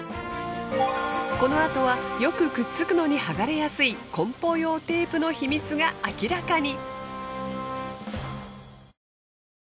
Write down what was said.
このあとはよくくっつくのに剥がれやすい梱包用テープの秘密が明らかに。